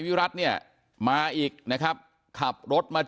ก็ได้รู้สึกว่ามันกลายเป้าหมาย